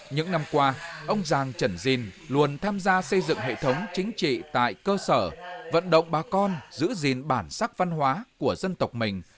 những năm qua ông giàng trẩn dìn luôn tham gia xây dựng hệ thống chính trị tại cơ sở vận động bà con giữ gìn bản sắc văn hóa của dân tộc mình